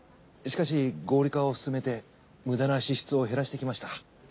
しかし合理化を進めて無駄な支出を減らしてきました。